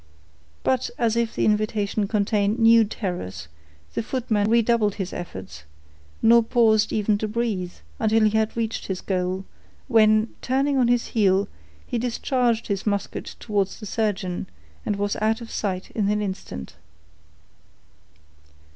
But as if the invitation contained new terrors, the footman redoubled his efforts, nor paused even to breathe, until he had reached his goal, when, turning on his heel, he discharged his musket towards the surgeon, and was out of sight in an instant.